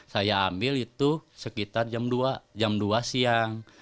saya ambil itu sekitar jam dua siang